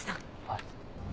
はい。